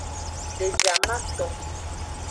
Devi amaton.